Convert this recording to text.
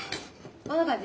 どんな感じ？